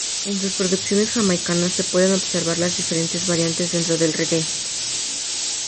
En sus producciones jamaicanas se pueden observar las diferentes variantes dentro del reggae.